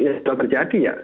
ya sudah terjadi ya